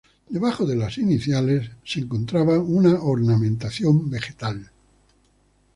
Debajo de las iniciales se encontraba una ornamentación vegetal.